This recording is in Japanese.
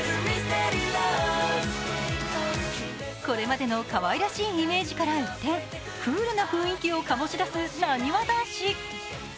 これまでのかわいらしいイメージから一転、クールな雰囲気を醸しだすなにわ男子。